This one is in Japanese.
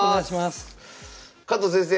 加藤先生